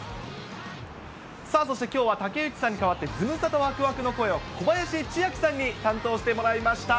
さあ、そしてきょうは武内さんに代わって、ズムサタわくわくの声を、小林千晃さんに担当してもらいました。